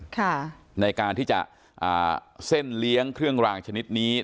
ค่ะในการที่จะอ่าเส้นเลี้ยงเครื่องรางชนิดนี้